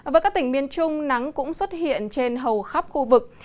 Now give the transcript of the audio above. với các tỉnh miền trung nắng cũng xuất hiện trên hầu khắp khu vực